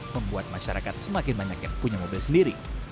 membuat masyarakat semakin banyak yang punya mobil sendiri